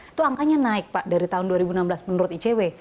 itu angkanya naik pak dari tahun dua ribu enam belas menurut icw